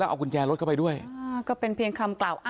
อายุ๑๐ปีนะฮะเขาบอกว่าเขาก็เห็นถูกยิงนะครับ